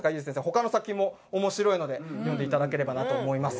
他の作品も面白いので読んでいただければなと思います。